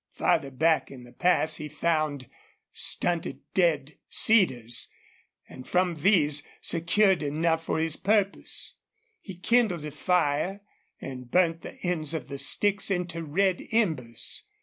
Farther back in the pass he found stunted dead cedars, and from these secured enough for his purpose. He kindled a fire and burnt the ends of the sticks into red embers.